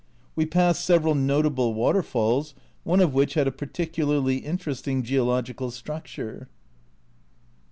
We passed several notable waterfalls, one of which had a particularly interesting geological structure.